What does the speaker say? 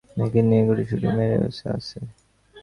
পেছনের সীটে আমি আমার বড় মেয়েকে নিয়ে গুটিসুটি মেরে বসে আছি।